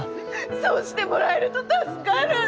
そうしてもらえると助かる！